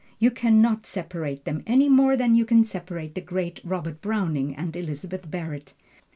You can not separate them, any more than you can separate the great Robert Browning and Elizabeth Barrett.